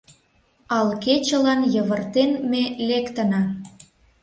Ал кечылан Йывыртен ме лектына.